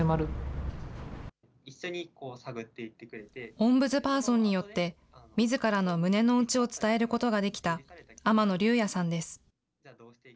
オンブズパーソンによって、みずからの胸の内を伝えることができた天野竜也さんです。